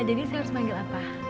jadi saya harus manggil apa